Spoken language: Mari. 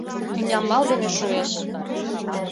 — Тӱнямбал дене шуэш.